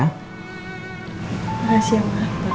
terima kasih mama